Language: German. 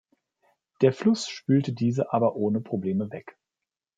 Der Fluss spülte diese aber ohne Probleme weg.